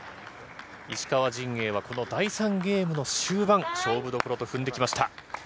石川陣営は第３ゲームの終盤勝負どころと踏んできました。